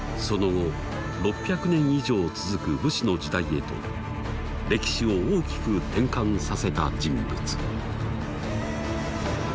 その後６００年以上続く武士の時代へと歴史を大きく転換させた人物。